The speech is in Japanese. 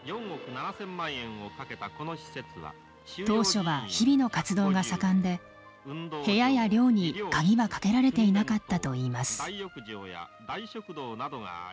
当初は日々の活動が盛んで部屋や寮に鍵はかけられていなかったといいます。